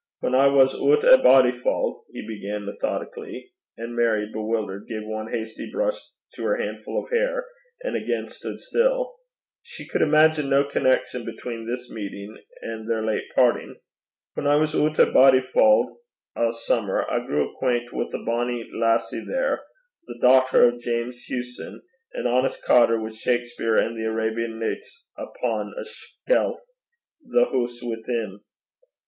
Whan I was oot at Bodyfauld,' he began methodically, and Mary, bewildered, gave one hasty brush to her handful of hair and again stood still: she could imagine no connection between this meeting and their late parting 'Whan I was was oot at Bodyfauld ae simmer, I grew acquant wi' a bonnie lassie there, the dochter o' Jeames Hewson, an honest cottar, wi' Shakspeare an' the Arabian Nichts upo' a skelf i' the hoose wi' 'im.